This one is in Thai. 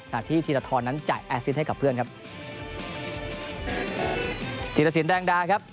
นาทีธีรทรนั้นจ่ายแอร์ซิสให้กับเพื่อนครับธีรสินแดงดาครับ